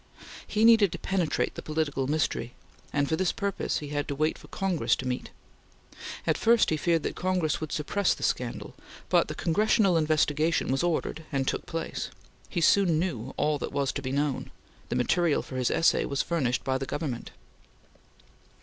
He needed to penetrate the political mystery, and for this purpose he had to wait for Congress to meet. At first he feared that Congress would suppress the scandal, but the Congressional Investigation was ordered and took place. He soon knew all that was to be known; the material for his essay was furnished by the Government.